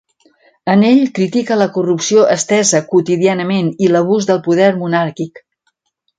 En ell, critica la corrupció estesa quotidianament i l'abús del poder monàrquic.